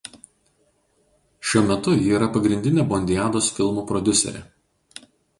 Šiuo metu ji yra pagrindinė bondiados filmų prodiuserė.